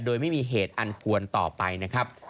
โดยไม่มีเหตุอันควรต่อไปนะครับ